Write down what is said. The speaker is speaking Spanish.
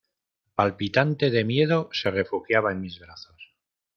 palpitante de miedo, se refugiaba en mis brazos.